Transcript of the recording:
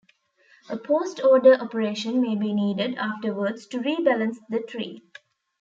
A post-order operation may be needed afterwards to re-balance the tree.